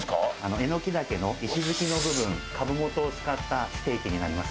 エノキ茸の石づきの部分株元を使ったステーキになります。